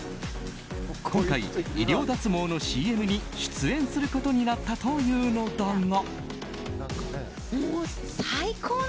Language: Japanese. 今回、医療脱毛のＣＭに出演することになったというのだが。